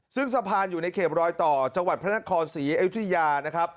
ซึ่งสะพานอยู่ในเขตรอยต่อจังหวัดพระนครศรีอยุธยานะครับ